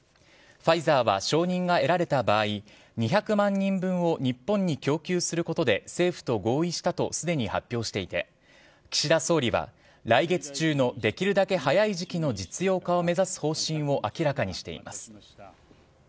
ファイザーは承認が得られた場合２００万人分を日本に供給することで政府と合意したとすでに発表していて岸田総理は来月中のできるだけ早い時期の実用化を目指す方針を明らかにしています。